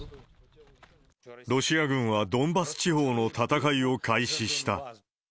ロシア軍はドンバス地方の戦いを開始した。